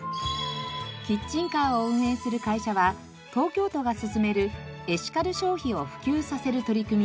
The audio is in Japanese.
キッチンカーを運営する会社は東京都が進めるエシカル消費を普及させる取り組み